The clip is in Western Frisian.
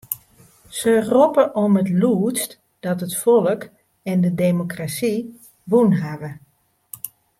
Se roppe om it lûdst dat it folk en de demokrasy wûn hawwe.